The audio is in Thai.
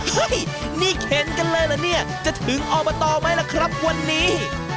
เฮ้ยนี่เข็นกันเลยเหรอเนี่ยจะถึงอบตไหมล่ะครับวันนี้